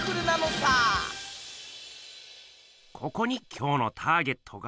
ここに今日のターゲットが。